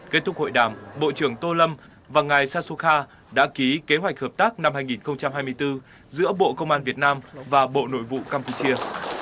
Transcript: kết thúc hội đàm bộ trưởng tô lâm và ngài sasoka đã ký kế hoạch hợp tác năm hai nghìn hai mươi bốn giữa bộ công an việt nam và bộ nội vụ campuchia